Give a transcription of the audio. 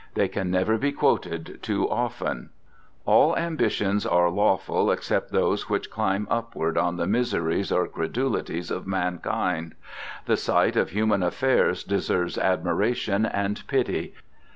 They can never be quoted too often: "All ambitions are lawful except those which climb upward on the miseries or credulities of mankind.... The sight of human affairs deserves admiration and pity.